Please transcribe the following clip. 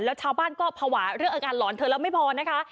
แล้วชาวบ้านก็ภาวะเรื่องอาการหลอนเธอแล้วไม่พอนะคะ